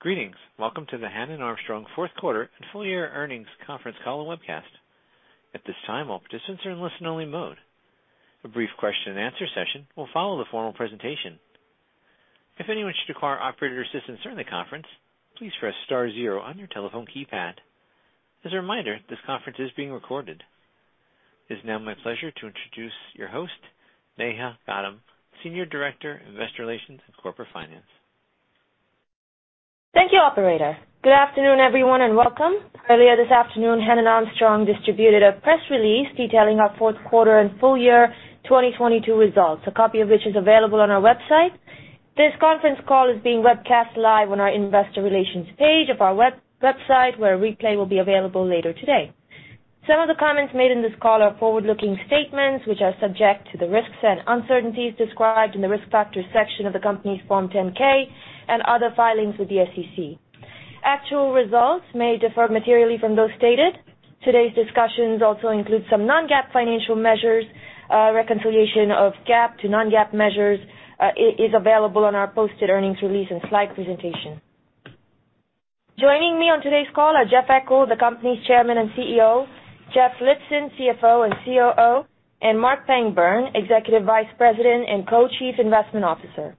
Greetings. Welcome to the Hannon Armstrong fourth quarter and full year earnings conference call and webcast. At this time, all participants are in listen-only mode. A brief question-and-answer session will follow the formal presentation. If anyone should require operator assistance during the conference, please press star zero on your telephone keypad. As a reminder, this conference is being recorded. It is now my pleasure to introduce your host, Neha Gaddam, Senior Director, Investor Relations and Corporate Finance. Thank you, operator. Good afternoon, everyone, and welcome. Earlier this afternoon, Hannon Armstrong distributed a press release detailing our fourth quarter and full year 2022 results, a copy of which is available on our website. This conference call is being webcast live on our investor relations page of our website, where a replay will be available later today. Some of the comments made in this call are forward-looking statements, which are subject to the risks and uncertainties described in the Risk Factors section of the company's Form 10-K and other filings with the SEC. Actual results may differ materially from those stated. Today's discussions also include some non-GAAP financial measures. A reconciliation of GAAP to non-GAAP measures is available on our posted earnings release and slide presentation. Joining me on today's call are Jeffrey Eckel, the company's Chairman and CEO; Jeffrey Lipson, CFO and COO; and Marc Pangburn, Executive Vice President and Co-Chief Investment Officer.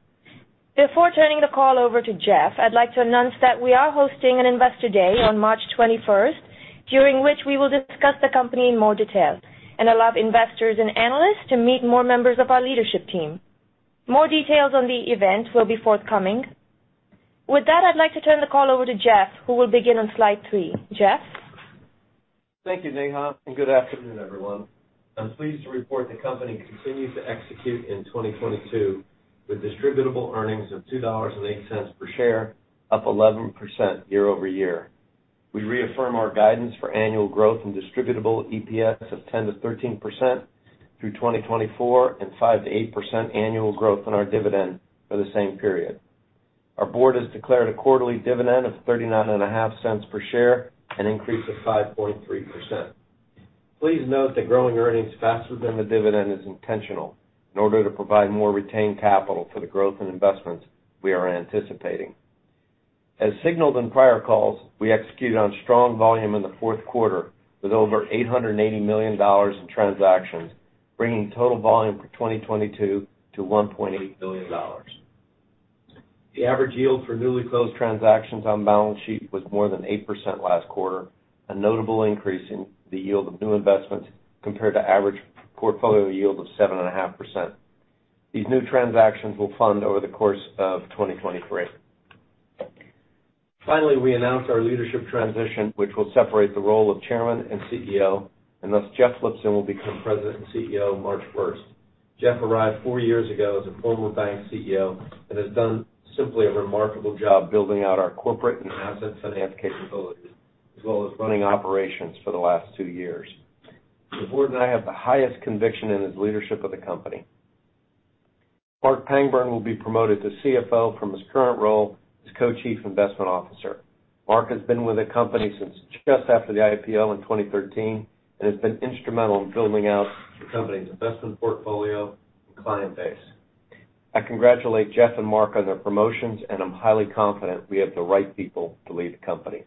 Before turning the call over to Jeff, I'd like to announce that we are hosting an Investor Day on March 21st, during which we will discuss the company in more detail and allow investors and analysts to meet more members of our leadership team. More details on the event will be forthcoming. With that, I'd like to turn the call over to Jeff, who will begin on slide 3. Jeff? Thank you, Neha. Good afternoon, everyone. I'm pleased to report the company continued to execute in 2022 with Distributable EPS of $2.08 per share, up 11% year-over-year. We reaffirm our guidance for annual growth and Distributable EPS of 10%-13% through 2024 and 5%-8% annual growth on our dividend for the same period. Our board has declared a quarterly dividend of $0.395 per share, an increase of 5.3%. Please note that growing earnings faster than the dividend is intentional in order to provide more retained capital for the growth in investments we are anticipating. As signaled on prior calls, we executed on strong volume in the fourth quarter with over $880 million in transactions, bringing total volume for 2022 to $1.8 billion. The average yield for newly closed transactions on balance sheet was more than 8% last quarter, a notable increase in the yield of new investments compared to average portfolio yield of 7.5%. These new transactions will fund over the course of 2023. We announced our leadership transition, which will separate the role of Chairman and CEO, and thus Jeff Lipson will become President and CEO March first. Jeff arrived four years ago as a former bank CEO and has done simply a remarkable job building out our corporate and asset finance capabilities, as well as running operations for the last two years. The board and I have the highest conviction in his leadership of the company. Marc Pangburn will be promoted to CFO from his current role as Co-Chief Investment Officer. Marc has been with the company since just after the IPO in 2013 and has been instrumental in building out the company's investment portfolio and client base. I congratulate Jeff and Marc on their promotions, and I'm highly confident we have the right people to lead the company.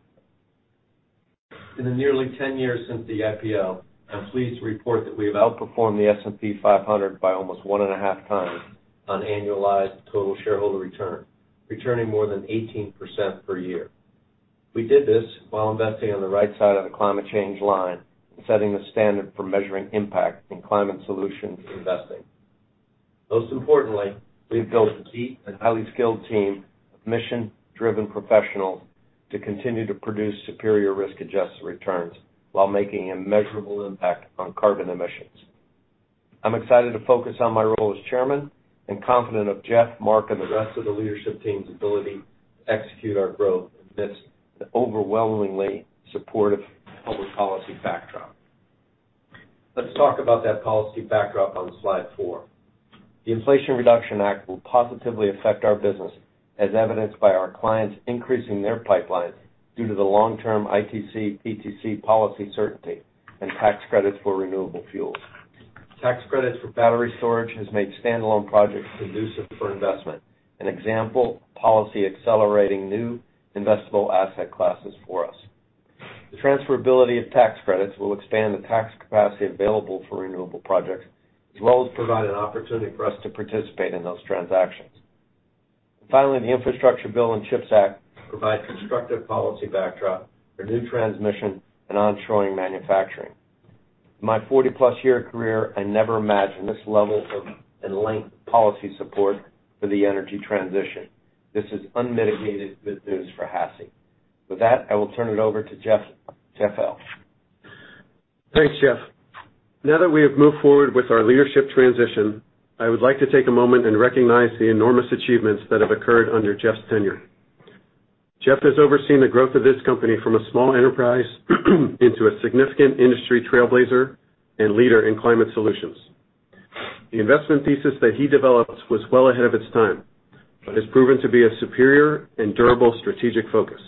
In the nearly 10 years since the IPO, I'm pleased to report that we have outperformed the S&P 500 by almost one and a half times on annualized total shareholder return, returning more than 18% per year. We did this while investing on the right side of the climate change line and setting the standard for measuring impact in climate solutions investing. Most importantly, we've built a deep and highly skilled team of mission-driven professionals to continue to produce superior risk-adjusted returns while making a measurable impact on carbon emissions. I'm excited to focus on my role as chairman and confident of Jeff, Marc, and the rest of the leadership team's ability to execute our growth amidst the overwhelmingly supportive public policy backdrop. Let's talk about that policy backdrop on slide 4. The Inflation Reduction Act will positively affect our business, as evidenced by our clients increasing their pipelines due to the long-term ITC, PTC policy certainty and tax credits for renewable fuels. Tax credits for battery storage has made standalone projects conducive for investment, an example of policy accelerating new investable asset classes for us. The transferability of tax credits will expand the tax capacity available for renewable projects as well as provide an opportunity for us to participate in those transactions. The Infrastructure Bill and CHIPS Act provide constructive policy backdrop for new transmission and onshoring manufacturing. In my 40-plus year career, I never imagined this level of and length policy support for the energy transition. This is unmitigated good news for HASI. With that, I will turn it over to Jeff Lipson. Thanks, Jeff. Now that we have moved forward with our leadership transition, I would like to take a moment and recognize the enormous achievements that have occurred under Jeff's tenure. Jeff has overseen the growth of this company from a small enterprise into a significant industry trailblazer and leader in climate solutions. The investment thesis that he developed was well ahead of its time, but has proven to be a superior and durable strategic focus.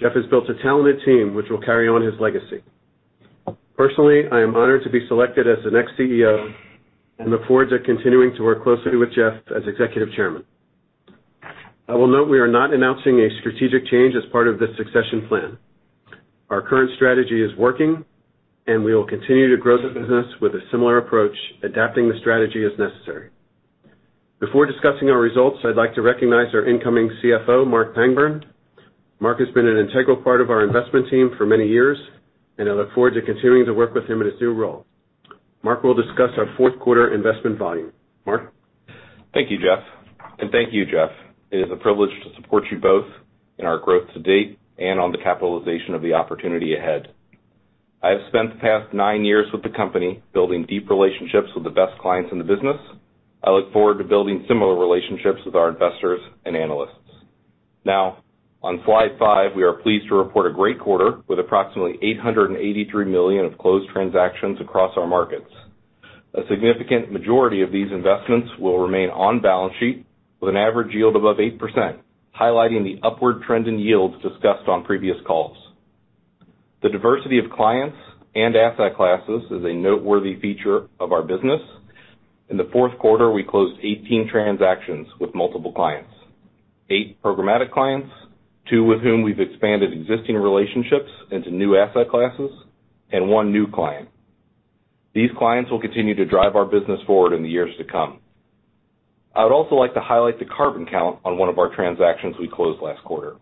Jeff has built a talented team which will carry on his legacy. Personally, I am honored to be selected as the next CEO and look forward to continuing to work closely with Jeff as Executive Chairman. I will note we are not announcing a strategic change as part of this succession plan. Our current strategy is working, and we will continue to grow the business with a similar approach, adapting the strategy as necessary. Before discussing our results, I'd like to recognize our incoming CFO, Marc Pangburn. Marc has been an integral part of our investment team for many years, and I look forward to continuing to work with him in his new role. Marc will discuss our fourth quarter investment volume. Marc? Thank you, Jeff. Thank you, Jeff. It is a privilege to support you both in our growth to date and on the capitalization of the opportunity ahead. I have spent the past nine years with the company, building deep relationships with the best clients in the business. I look forward to building similar relationships with our investors and analysts. On slide 5, we are pleased to report a great quarter, with approximately $883 million of closed transactions across our markets. A significant majority of these investments will remain on-balance sheet with an average yield above 8%, highlighting the upward trend in yields discussed on previous calls. The diversity of clients and asset classes is a noteworthy feature of our business. In the fourth quarter, we closed 18 transactions with multiple clients, 8 programmatic clients, 2 with whom we've expanded existing relationships into new asset classes, and 1 new client. These clients will continue to drive our business forward in the years to come. I would also like to highlight the carbon count on 1 of our transactions we closed last quarter.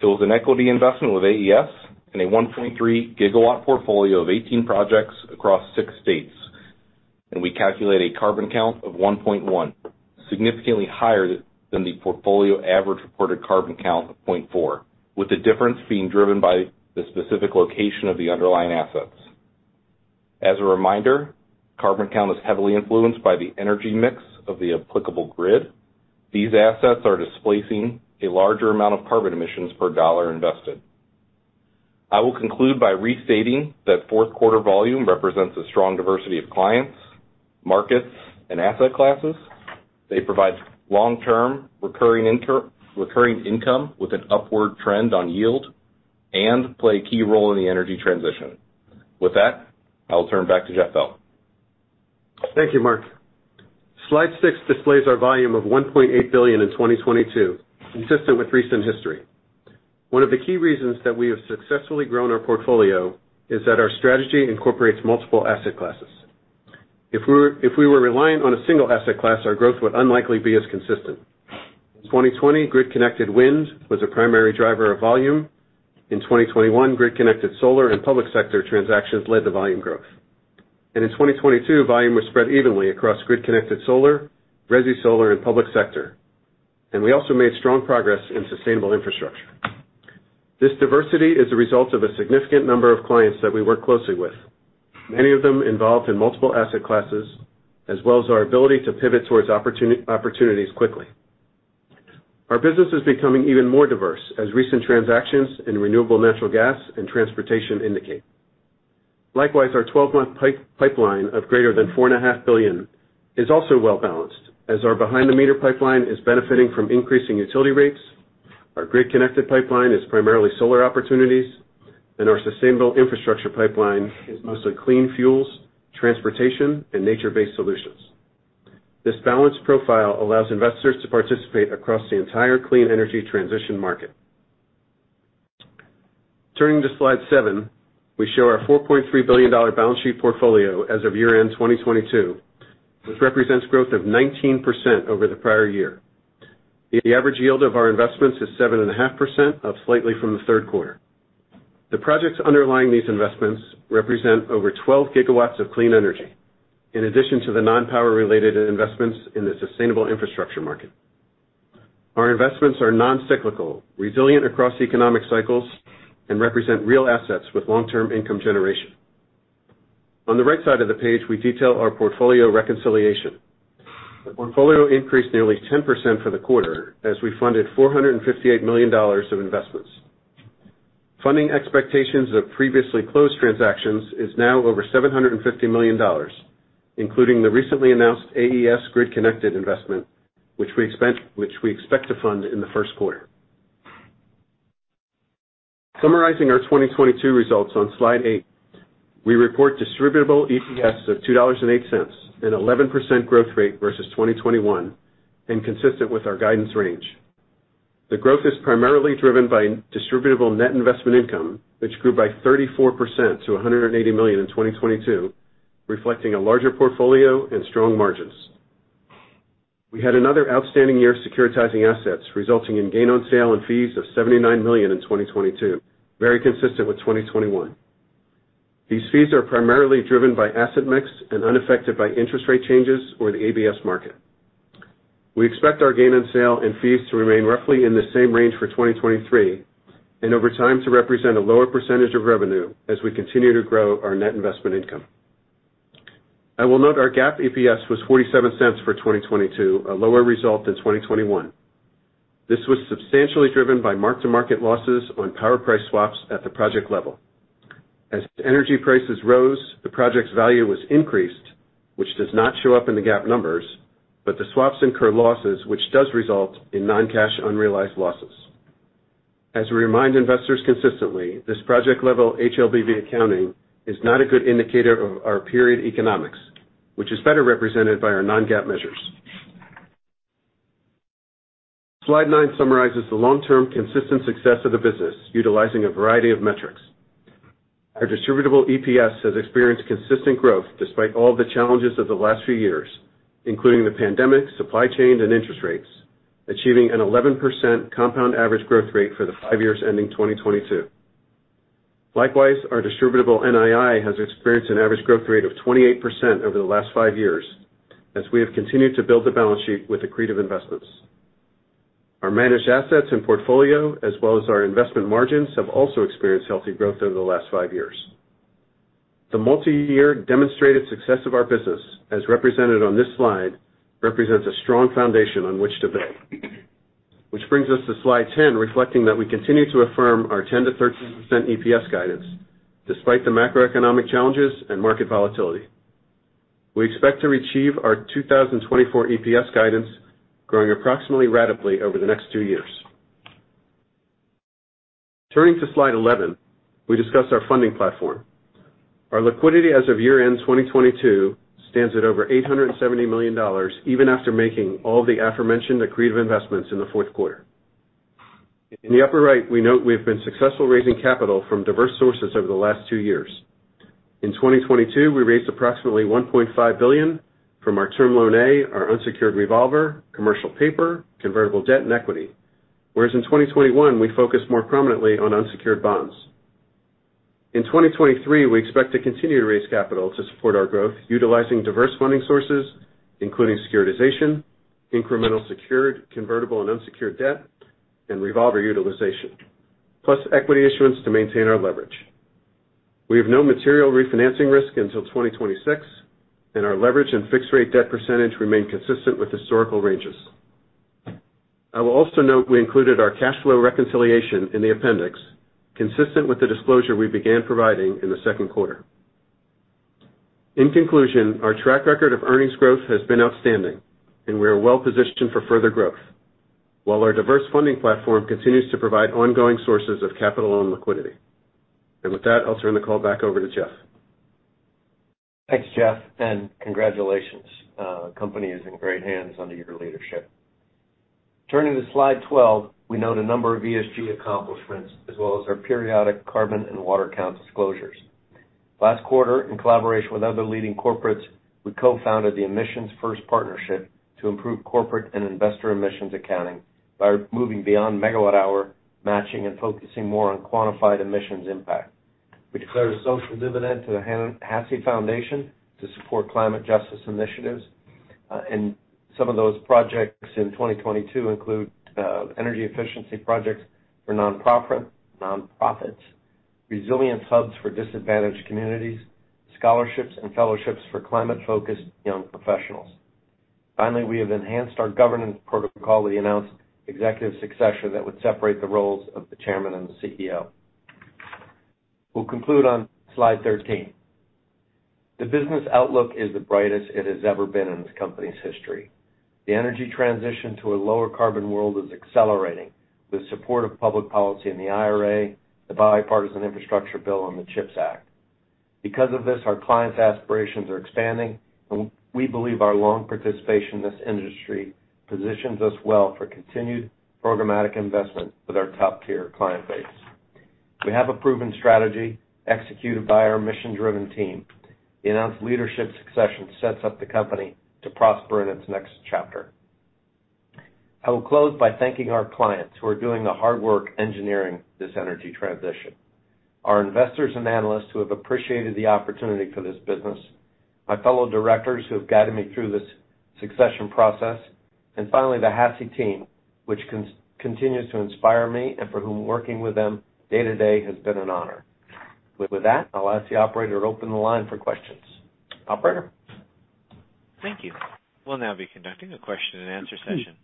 It was an equity investment with AES and a 1.3 gigawatt portfolio of 18 projects across 6 states. We calculate a carbon count of 1.1, significantly higher than the portfolio average reported carbon count of 0.4, with the difference being driven by the specific location of the underlying assets. As a reminder, carbon count is heavily influenced by the energy mix of the applicable grid. These assets are displacing a larger amount of carbon emissions per dollar invested. I will conclude by restating that fourth quarter volume represents a strong diversity of clients, markets, and asset classes. They provide long-term recurring income with an upward trend on yield and play a key role in the energy transition. With that, I will turn back to Jeffrey. Thank you, Marc. Slide six displays our volume of $1.8 billion in 2022, consistent with recent history. One of the key reasons that we have successfully grown our portfolio is that our strategy incorporates multiple asset classes. If we were reliant on a single asset class, our growth would unlikely be as consistent. In 2020, grid-connected wind was a primary driver of volume. In 2021, grid-connected solar and public sector transactions led to volume growth. In 2022, volume was spread evenly across grid-connected solar, resi solar, and public sector. We also made strong progress in sustainable infrastructure. This diversity is a result of a significant number of clients that we work closely with, many of them involved in multiple asset classes, as well as our ability to pivot towards opportunities quickly. Our business is becoming even more diverse as recent transactions in renewable natural gas and transportation indicate. Likewise, our 12-month pipeline of greater than $4.5 billion is also well-balanced, as our behind-the-meter pipeline is benefiting from increasing utility rates, our grid-connected pipeline is primarily solar opportunities, and our sustainable infrastructure pipeline is mostly clean fuels, transportation, and nature-based solutions. This balanced profile allows investors to participate across the entire clean energy transition market. Turning to slide seven, we show our $4.3 billion balance sheet portfolio as of year-end 2022, which represents growth of 19% over the prior year. The average yield of our investments is 7.5%, up slightly from the third quarter. The projects underlying these investments represent over 12 gigawatts of clean energy, in addition to the non-power-related investments in the sustainable infrastructure market. Our investments are non-cyclical, resilient across economic cycles, and represent real assets with long-term income generation. On the right side of the page, we detail our portfolio reconciliation. The portfolio increased nearly 10% for the quarter as we funded $458 million of investments. Funding expectations of previously closed transactions is now over $750 million, including the recently announced AES grid-connected investment, which we expect to fund in the first quarter. Summarizing our 2022 results on slide 8, we report Distributable EPS of $2.08, an 11% growth rate versus 2021 and consistent with our guidance range. The growth is primarily driven by Distributable Net Investment Income, which grew by 34% to $180 million in 2022, reflecting a larger portfolio and strong margins. We had another outstanding year of securitizing assets, resulting in gain on sale and fees of $79 million in 2022, very consistent with 2021. These fees are primarily driven by asset mix and unaffected by interest rate changes or the ABS market. We expect our gain on sale and fees to remain roughly in the same range for 2023, and over time to represent a lower percentage of revenue as we continue to grow our Net Investment Income. I will note our GAAP EPS was $0.47 for 2022, a lower result than 2021. This was substantially driven by mark-to-market losses on power price swaps at the project level. As energy prices rose, the project's value was increased, which does not show up in the GAAP numbers, but the swaps incur losses, which does result in non-cash unrealized losses. As we remind investors consistently, this project-level HLBV accounting is not a good indicator of our period economics, which is better represented by our non-GAAP measures. Slide 9 summarizes the long-term consistent success of the business utilizing a variety of metrics. Our Distributable EPS has experienced consistent growth despite all the challenges of the last few years, including the pandemic, supply chain, and interest rates, achieving an 11% compound average growth rate for the 5 years ending 2022. Likewise, our Distributable NII has experienced an average growth rate of 28% over the last 5 years as we have continued to build the balance sheet with accretive investments. Our managed assets and portfolio, as well as our investment margins, have also experienced healthy growth over the last 5 years. The multiyear demonstrated success of our business, as represented on this slide, represents a strong foundation on which to build. Which brings us to slide 10, reflecting that we continue to affirm our 10%-13% EPS guidance despite the macroeconomic challenges and market volatility. We expect to achieve our 2024 EPS guidance growing approximately ratably over the next two years. Turning to slide 11, we discuss our funding platform. Our liquidity as of year-end 2022 stands at over $870 million even after making all the aforementioned accretive investments in the fourth quarter. In the upper right, we note we have been successful raising capital from diverse sources over the last two years. In 2022, we raised approximately $1.5 billion from our Term Loan A, our unsecured revolver, commercial paper, convertible debt, and equity. Whereas in 2021, we focused more prominently on unsecured bonds. In 2023, we expect to continue to raise capital to support our growth utilizing diverse funding sources, including securitization, incremental secured, convertible and unsecured debt, and revolver utilization, plus equity issuance to maintain our leverage. We have no material refinancing risk until 2026, and our leverage and fixed rate debt percentage remain consistent with historical ranges. I will also note we included our cash flow reconciliation in the appendix, consistent with the disclosure we began providing in the second quarter. In conclusion, our track record of earnings growth has been outstanding, and we are well-positioned for further growth while our diverse funding platform continues to provide ongoing sources of capital and liquidity. With that, I'll turn the call back over to Jeff. Thanks, Jeff. Congratulations. Company is in great hands under your leadership. Turning to slide 12, we note a number of ESG accomplishments as well as our periodic carbon and water count disclosures. Last quarter, in collaboration with other leading corporates, we co-founded the Emissions First Partnership to improve corporate and investor emissions accounting by moving beyond megawatt-hour matching and focusing more on quantified emissions impact. We declared a social dividend to the Hannon Armstrong Foundation to support climate justice initiatives. Some of those projects in 2022 include energy efficiency projects for nonprofits, resilience hubs for disadvantaged communities, scholarships and fellowships for climate-focused young professionals. Finally, we have enhanced our governance protocol with the announced executive successor that would separate the roles of the Chairman and the CEO. We'll conclude on slide 13. The business outlook is the brightest it has ever been in this company's history. The energy transition to a lower carbon world is accelerating with support of public policy in the IRA, the Bipartisan Infrastructure Bill on the CHIPS Act. Because of this, our clients' aspirations are expanding, and we believe our long participation in this industry positions us well for continued programmatic investment with our top-tier client base. We have a proven strategy executed by our mission-driven team. The announced leadership succession sets up the company to prosper in its next chapter. I will close by thanking our clients who are doing the hard work engineering this energy transition, our investors and analysts who have appreciated the opportunity for this business, my fellow directors who have guided me through this succession process, and finally, the HASI team, which continues to inspire me and for whom working with them day-to-day has been an honor. With that, I'll ask the Operator to open the line for questions. Operator? Thank you. We'll now be conducting a question-and-answer session.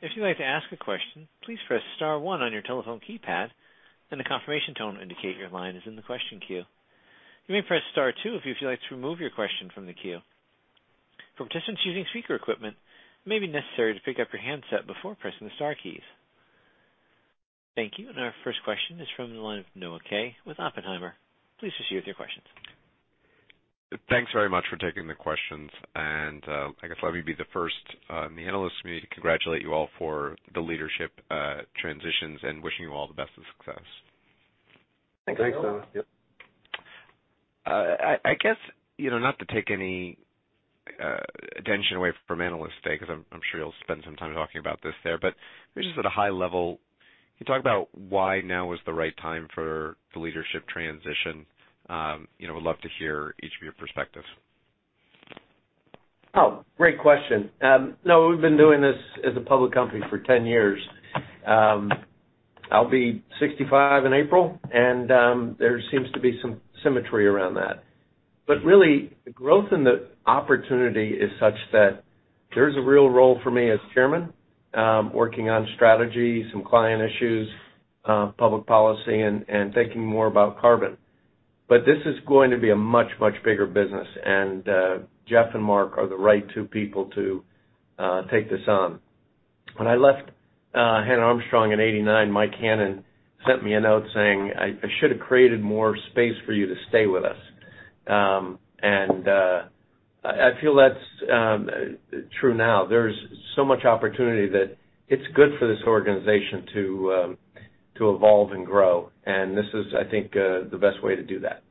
If you'd like to ask a question, please press star one on your telephone keypad, and a confirmation tone will indicate your line is in the question queue. You may press star two if you'd like to remove your question from the queue. For participants using speaker equipment, it may be necessary to pick up your handset before pressing the star keys. Thank you. Our first question is from the line of Noah Kaye with Oppenheimer. Please proceed with your questions. Thanks very much for taking the questions. I guess let me be the first in the analyst community to congratulate you all for the leadership transitions, and wishing you all the best of success. Thanks, Noah. I guess, you know, not to take any attention away from Analyst Day, 'cause I'm sure you'll spend some time talking about this there. Maybe just at a high level, can you talk about why now is the right time for the leadership transition? You know, would love to hear each of your perspectives. Great question. Noah, we've been doing this as a public company for 10 years. I'll be 65 in April, and there seems to be some symmetry around that. Really the growth in the opportunity is such that there's a real role for me as chairman, working on strategy, some client issues, public policy, and thinking more about carbon. This is going to be a much, much bigger business, and Jeff and Marc are the right two people to take this on. When I left Hannon Armstrong in 89, Mike Cannon sent me a note saying, "I should have created more space for you to stay with us." I feel that's true now. There's so much opportunity that it's good for this organization to evolve and grow, and this is, I think, the best way to do that.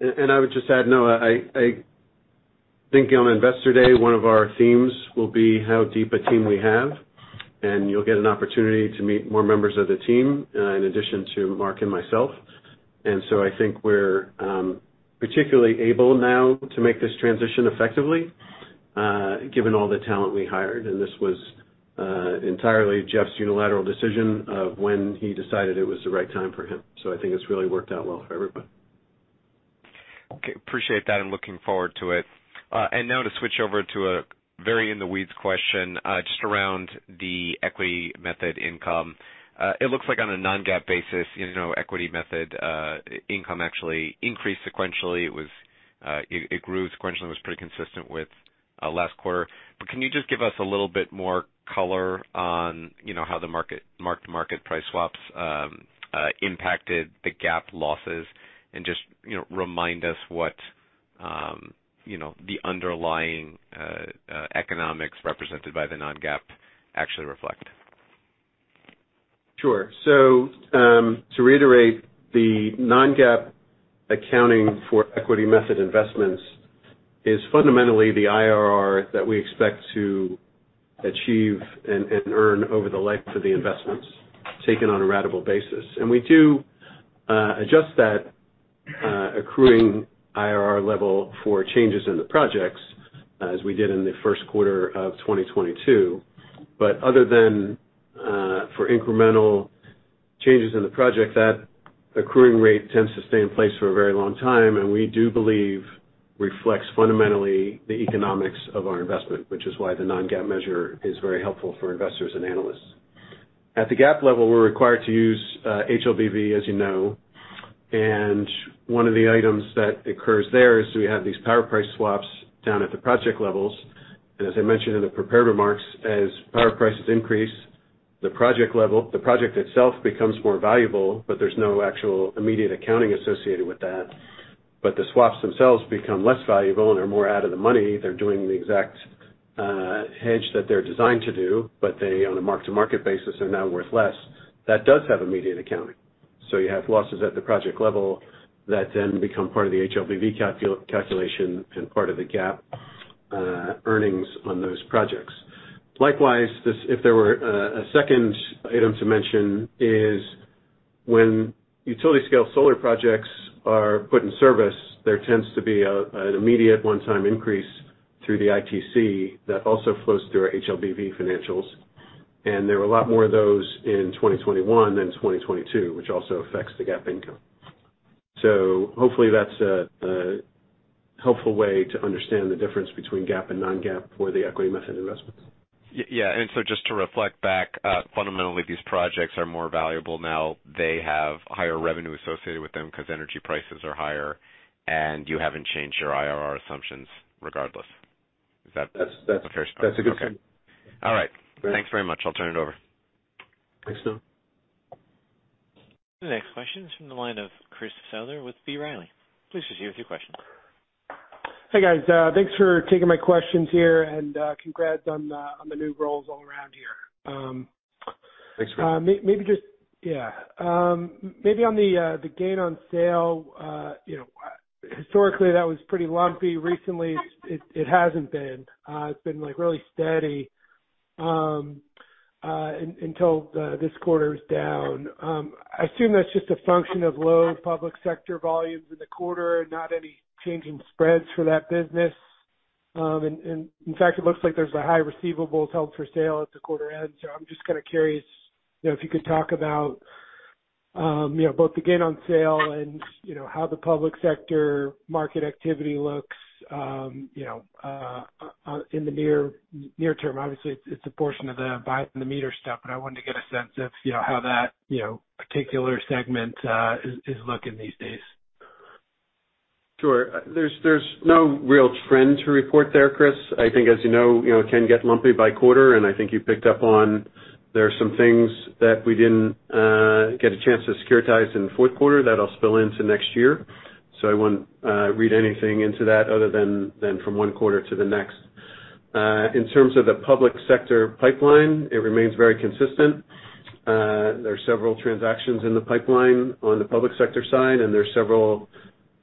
I would just add, Noah, I think on Investor Day, one of our themes will be how deep a team we have, and you'll get an opportunity to meet more members of the team, in addition to Marc and myself. So I think we're particularly able now to make this transition effectively, given all the talent we hired. This was entirely Jeff's unilateral decision of when he decided it was the right time for him. I think it's really worked out well for everybody. Appreciate and looking forward to it. Now to switch over to a very in the weeds question, just around the equity method income. It looks like on a non-GAAP basis, you know, equity method income actually increased sequentially. It was, it grew sequentially, was pretty consistent with last quarter. Can you just give us a little bit more color on, you know, how the market price swaps impacted the GAAP losses and just, you know, remind us what, you know, the underlying economics represented by the non-GAAP actually reflect? Sure. To reiterate, the non-GAAP accounting for equity method investments is fundamentally the IRR that we expect to achieve and earn over the life of the investments taken on a ratable basis. We do adjust that accruing IRR level for changes in the projects as we did in the first quarter of 2022. Other than for incremental changes in the project, that accruing rate tends to stay in place for a very long time, and we do believe reflects fundamentally the economics of our investment, which is why the non-GAAP measure is very helpful for investors and analysts. At the GAAP level, we're required to use HLBV, as you know. One of the items that occurs there is we have these power price swaps down at the project levels. As I mentioned in the prepared remarks, as power prices increase, the project itself becomes more valuable, but there's no actual immediate accounting associated with that. The swaps themselves become less valuable, and they're more out of the money. They're doing the exact hedge that they're designed to do, but they on a mark-to-market basis are now worth less. That does have immediate accounting. You have losses at the project level that then become part of the HLBV calculation and part of the GAAP earnings on those projects. Likewise, if there were a second item to mention is when utility scale solar projects are put in service, there tends to be an immediate one-time increase through the ITC that also flows through our HLBV financials. There were a lot more of those in 2021 than 2022, which also affects the GAAP income. Hopefully that's a helpful way to understand the difference between GAAP and non-GAAP for the equity method investments. Yeah. Just to reflect back, fundamentally, these projects are more valuable now. They have higher revenue associated with them because energy prices are higher. You haven't changed your IRR assumptions regardless. Is that a fair statement? That's a good statement. Okay. All right. Thanks very much. I'll turn it over. Thanks, Noah. The next question is from the line of Christopher Souther with B. Riley. Please proceed with your question. Hey, guys, thanks for taking my questions here, and congrats on the new roles all around here. Thanks, Chris. Maybe just yeah. Maybe on the gain on sale, you know, historically, that was pretty lumpy. Recently, it hasn't been. It's been, like, really steady until this quarter's down. I assume that's just a function of low public sector volumes in the quarter and not any change in spreads for that business. And in fact, it looks like there's a high receivables held for sale at the quarter end. I'm just kinda curious, you know, if you could talk about, you know, both the gain on sale and, you know, how the public sector market activity looks, you know, in the near term. Obviously, it's a portion of the behind-the-meter stuff, but I wanted to get a sense of, you know, how that, you know, particular segment is looking these days. Sure. There's no real trend to report there, Chris. I think, as you know, you know, it can get lumpy by quarter, and I think you picked up on there are some things that we didn't get a chance to securitize in the fourth quarter that'll spill into next year. I wouldn't read anything into that other than from 1 quarter to the next. In terms of the public sector pipeline, it remains very consistent. There are several transactions in the pipeline on the public sector side, and there are several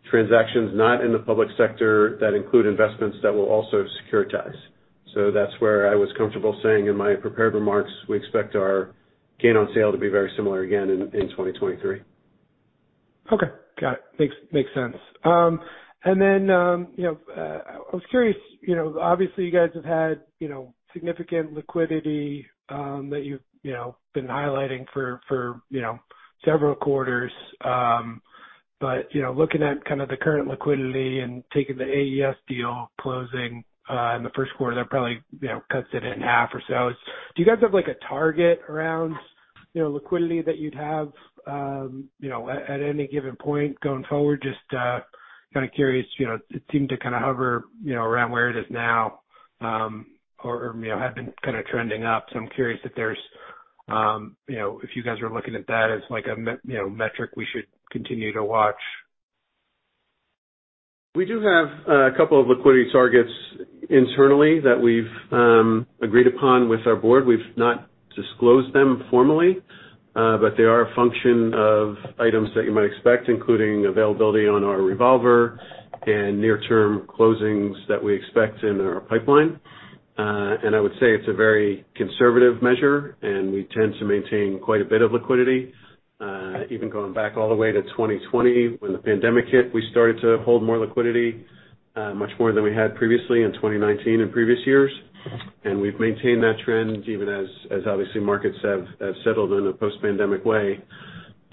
transactions not in the public sector that include investments that we'll also securitize. That's where I was comfortable saying in my prepared remarks, we expect our gain on sale to be very similar again in 2023. Okay. Got it. Makes sense. And then, you know, I was curious, you know, obviously you guys have had, you know, significant liquidity that you've, you know, been highlighting for, you know, several quarters. Looking at kind of the current liquidity and taking the AES deal closing in the first quarter, that probably, you know, cuts it in half or so. Do you guys have like a target around, you know, liquidity that you'd have at any given point going forward? Just, kinda curious. You know, it seemed to kind of hover, you know, around where it is now, or, you know, have been kind of trending up. I'm curious if there's, you know, if you guys are looking at that as like a you know, metric we should continue to watch. We do have a couple of liquidity targets internally that we've agreed upon with our board. We've not disclosed them formally, but they are a function of items that you might expect, including availability on our revolver and near term closings that we expect in our pipeline. I would say it's a very conservative measure, and we tend to maintain quite a bit of liquidity. Even going back all the way to 2020 when the pandemic hit, we started to hold more liquidity, much more than we had previously in 2019 and previous years. We've maintained that trend even as obviously markets have settled in a post-pandemic way.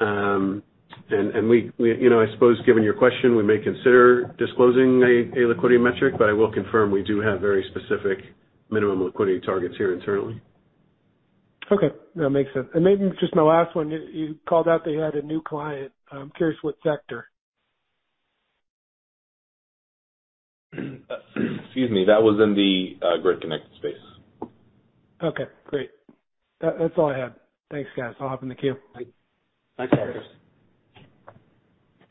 You know, I suppose given your question, we may consider disclosing a liquidity metric, but I will confirm we do have very specific minimum liquidity targets here internally. Okay. No, makes sense. Maybe just my last one. You called out that you had a new client. I'm curious what sector? Excuse me. That was in the grid connected space. Okay, great. That's all I had. Thanks, guys. I'll hop in the queue. Thanks. Our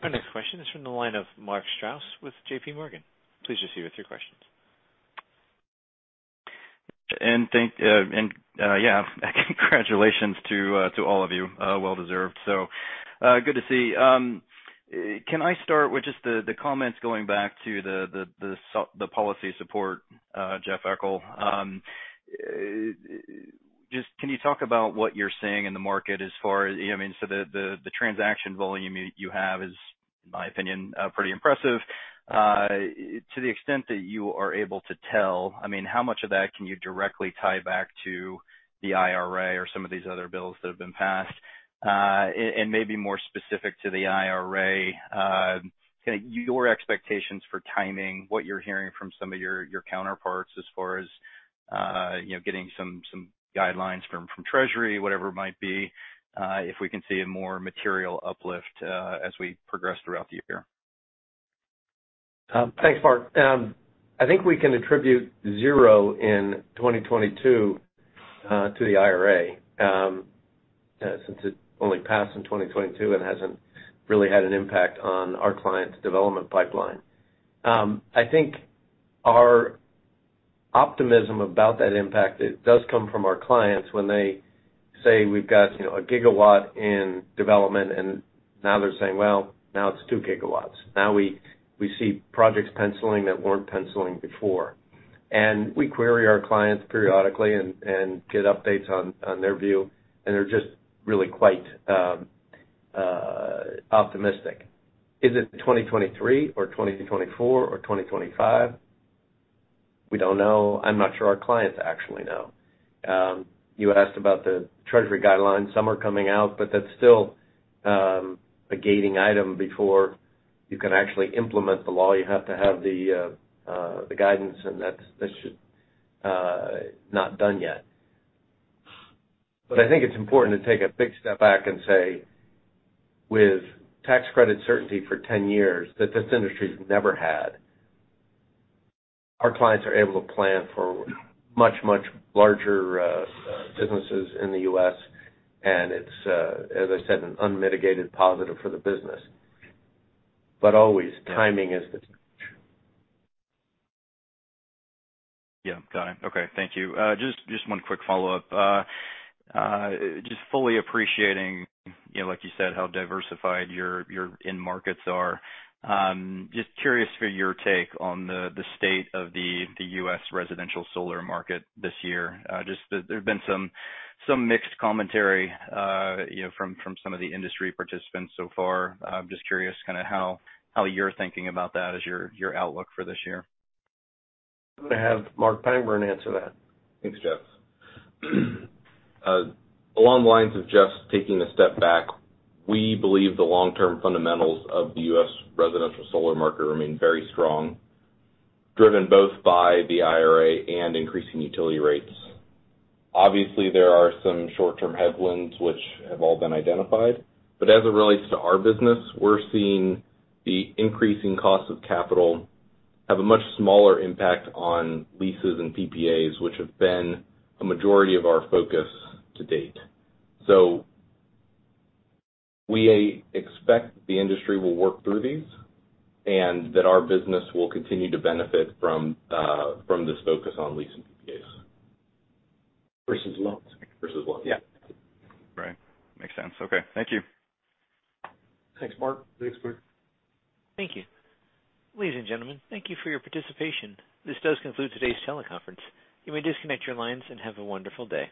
next question is from the line of Mark Strouse with JPMorgan. Please proceed with your questions. Thank, yeah, congratulations to all of you. Well deserved. Good to see. Can I start with just the comments going back to the policy support, Jeffrey Eckel. Just can you talk about what you're seeing in the market as far as... I mean, the transaction volume you have is, in my opinion, pretty impressive. To the extent that you are able to tell, I mean, how much of that can you directly tie back to the IRA or some of these other bills that have been passed? Maybe more specific to the IRA, kinda your expectations for timing, what you're hearing from some of your counterparts as far as, you know, getting some guidelines from Treasury, whatever it might be, if we can see a more material uplift as we progress throughout the year. Thanks, Mark. I think we can attribute 0 in 2022 to the IRA since it only passed in 2022 and hasn't really had an impact on our clients' development pipeline. I think our optimism about that impact, it does come from our clients when they say, we've got, you know, a gigawatt in development, and now they're saying, "Well, now it's 2 gigawatts." Now we see projects penciling that weren't penciling before. We query our clients periodically and get updates on their view, and they're just really quite optimistic. Is it 2023 or 2024 or 2025? We don't know. I'm not sure our clients actually know. You asked about the Treasury guidelines. Some are coming out, but that's still a gating item. Before you can actually implement the law, you have to have the guidance, and that should not done yet. I think it's important to take a big step back and say, with tax credit certainty for 10 years that this industry's never had, our clients are able to plan for much larger businesses in the U.S. It's, as I said, an unmitigated positive for the business. Always, timing is the key. Yeah. Got it. Okay. Thank you. Just one quick follow-up. Just fully appreciating, you know, like you said, how diversified your end markets are, just curious for your take on the state of the U.S. residential solar market this year. Just there have been some mixed commentary, you know, from some of the industry participants so far. I'm just curious kind of how you're thinking about that as your outlook for this year? I'm gonna have Marc Pangburn answer that. Thanks, Jeff. Along the lines of Jeff's taking a step back, we believe the long-term fundamentals of the U.S. residential solar market remain very strong, driven both by the IRA and increasing utility rates. Obviously, there are some short-term headwinds which have all been identified, but as it relates to our business, we're seeing the increasing cost of capital have a much smaller impact on leases and PPAs, which have been a majority of our focus to date. We expect the industry will work through these and that our business will continue to benefit from this focus on leasing PPAs. Versus loans. Versus loans. Yeah. Right. Makes sense. Okay. Thank you. Thanks, Mark. Thanks, Mark. Thank you. Ladies and gentlemen, thank you for your participation. This does conclude today's teleconference. You may disconnect your lines and have a wonderful day.